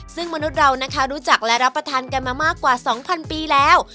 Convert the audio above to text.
ซึ่งมนุษย์เรานะคะรู้จักและรับประทานกันมามากกว่า๒๐๐ปีแล้ว